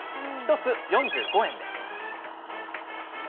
１つ４５円です。